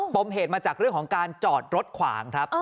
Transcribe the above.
มเหตุมาจากเรื่องของการจอดรถขวางครับ